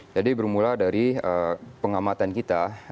jadi bermula dari pengamatan kita